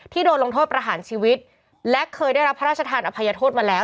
โดนลงโทษประหารชีวิตและเคยได้รับพระราชทานอภัยโทษมาแล้ว